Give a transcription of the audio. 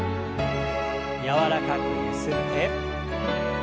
柔らかくゆすって。